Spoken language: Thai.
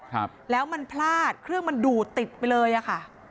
ครับแล้วมันพลาดเครื่องมันดูดติดไปเลยอ่ะค่ะ